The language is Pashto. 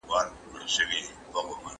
کتابونه به زموږ غوره ملګري وي.